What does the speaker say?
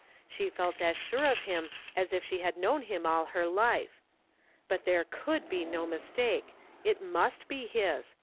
She felt as sure of him as if she had known him all her life. But there could be no mistake. It must be his.